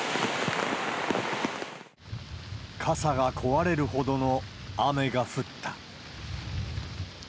傘が壊れるほどの雨が降った。